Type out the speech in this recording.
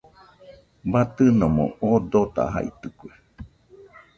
Batɨnomo oo dotajaitɨkue.